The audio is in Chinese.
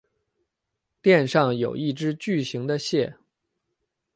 店上有一只巨型的蟹。